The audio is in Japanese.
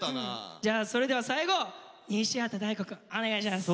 じゃあそれでは最後西畑大吾くんお願いします。